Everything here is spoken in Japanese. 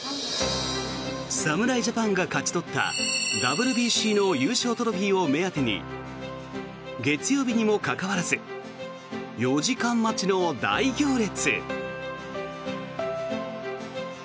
侍ジャパンが勝ち取ったＷＢＣの優勝トロフィーを目当てに月曜日にもかかわらず４時間待ちの大行列。